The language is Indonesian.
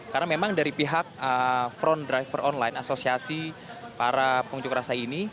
karena memang dari pihak front driver online asosiasi para pengunjuk rasa ini